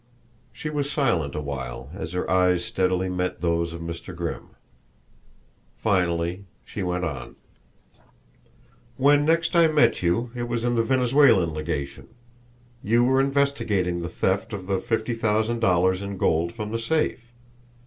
She was silent a while as her eyes steadily met those of Mr. Grimm. Finally she went on: "When next I met you it was in the Venezuelan legation; you were investigating the theft of the fifty thousand dollars in gold from the safe.